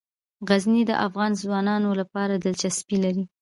غزني د افغان ځوانانو لپاره دلچسپي لري.